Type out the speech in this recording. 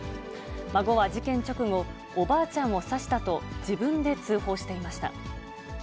孫は事件直後、おばあちゃんを刺したと、自分で通報していました。